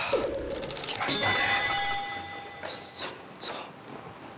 着きましたね。